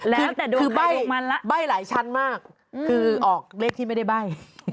แล้วแต่ดูไข่ลูกมันล่ะคือใบ้หลายชั้นมากคือออกเลขที่ไม่ได้ใบ้